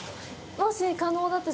もし可能だったら。